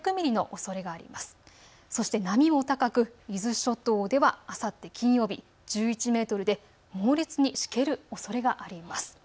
そして波も高く、伊豆諸島ではあさって金曜日、１１メートルで猛烈にしける可能性があります。